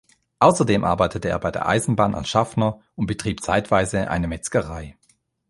Außerdem arbeitete er bei der Eisenbahn als Schaffner und betrieb zeitweise eine Metzgerei.